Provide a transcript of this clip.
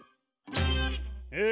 え